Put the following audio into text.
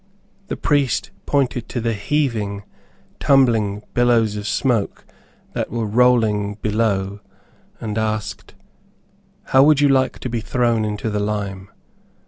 The priest pointed to the heaving, tumbling billows of smoke that were rolling below, and; asked, "How would you like to be thrown into the lime?"